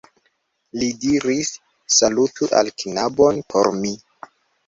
Li diris: "Salutu la knabon por mi.